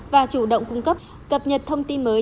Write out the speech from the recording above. và chủ động cung cấp cập nhật thông tin mới